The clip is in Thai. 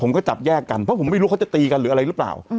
ผมก็จับแยกกันเพราะผมไม่รู้เขาจะตีกันหรืออะไรหรือเปล่า